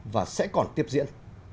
và sẽ còn tiếp diễn